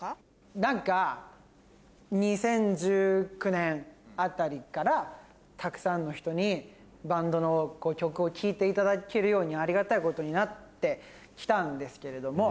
何か２０１９年あたりからたくさんの人にバンドの曲を聴いていただけるようにありがたいことになって来たんですけれども。